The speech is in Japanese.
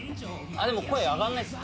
でも声上がんないっす。